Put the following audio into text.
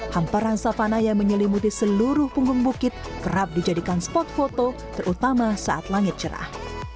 hamparan savana yang menyelimuti seluruh punggung bukit kerap dijadikan spot foto terutama saat langit cerah